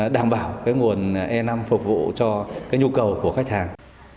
đảm bảo cái nguồn e năm phục vụ cho cái nhu cầu của khách hàng